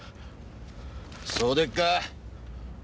そうでっか！